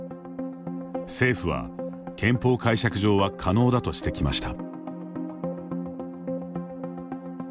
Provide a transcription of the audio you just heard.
政府は憲法解釈上は可能だとしてきました。